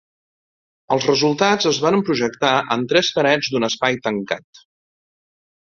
Els resultats es varen projectar en tres parets d'un espai tancat.